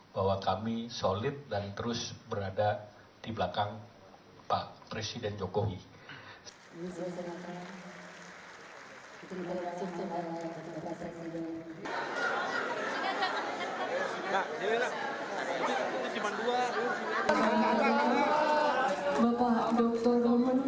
kami akan berbincang dengan ketua umum partai golkar bersama saya budi adiputro